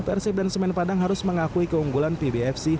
persib dan semen padang harus mengakui keunggulan pbfc